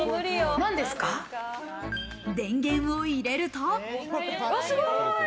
電源を入れると。